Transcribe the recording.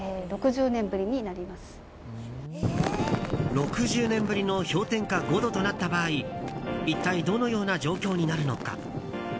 ６０年ぶりの氷点下５度となった場合一体どのような状況になるのか。